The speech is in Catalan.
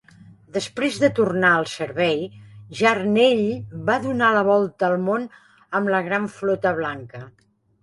Després de tornar al servei, Yarnell va donar la volta al món amb la Gran Flota Blanca.